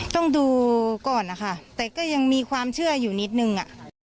ต้องดูก่อนนะคะแต่ก็ยังมีความเชื่ออยู่นิดนึง